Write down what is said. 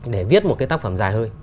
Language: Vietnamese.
để viết một cái tác phẩm dài hơi